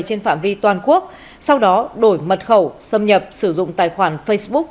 trên phạm vi toàn quốc sau đó đổi mật khẩu xâm nhập sử dụng tài khoản facebook